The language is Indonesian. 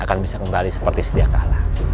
akan bisa kembali seperti sedia kalah